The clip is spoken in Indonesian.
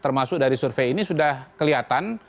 termasuk dari survei ini sudah kelihatan